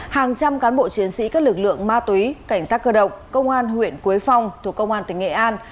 hàng trăm cán bộ chiến sĩ các lực lượng ma túy cảnh sát cơ động công an huyện quế phong thuộc công an tỉnh nghệ an